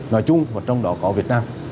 nói chung trong đó có việt nam